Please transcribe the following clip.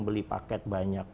beli paket banyak empat puluh dua